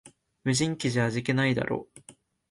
無人機じゃ味気ないだろ